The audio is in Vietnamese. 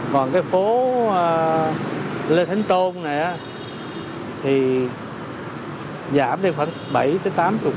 còn cái phố lê thánh tôn này thì giảm đến khoảng bảy mươi tám mươi